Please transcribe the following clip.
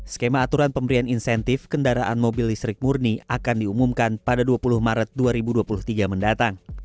skema aturan pemberian insentif kendaraan mobil listrik murni akan diumumkan pada dua puluh maret dua ribu dua puluh tiga mendatang